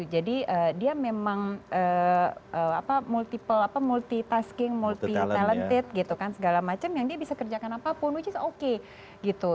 jadi dia memang apa multi multitasking multi talented gitu kan segala macam yang dia bisa kerjakan apapun which is oke gitu